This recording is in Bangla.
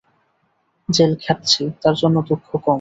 জেল খাটছি, তার জন্য দুঃখ কম।